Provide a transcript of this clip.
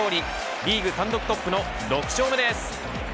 リーグ単独トップの６勝です。